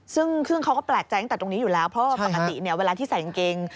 ซึ่งเขาก็แปลกใจตั้งแต่ตรงนี้อยู่แล้วเพราะว่าปกติเนี่ยเวลาที่ใส่กางเกง